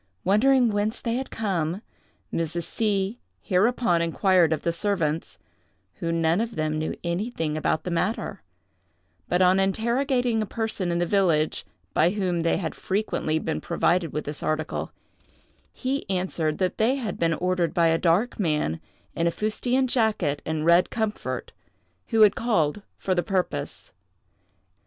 Wondering whence they had come, Mrs. C—— hereupon inquired of the servants, who none of them knew anything about the matter; but on interrogating a person in the village, by whom they had frequently been provided with this article, he answered that they had been ordered by a dark man, in a fustian jacket and red comfort, who had called for the purpose.